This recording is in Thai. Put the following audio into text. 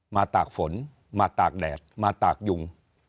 ตากฝนมาตากแดดมาตากยุง